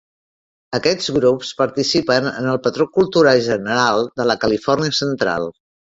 Aquests grups participen en el patró cultural general de la Califòrnia Central.